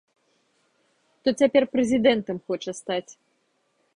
То цяпер прэзідэнтам хоча стаць.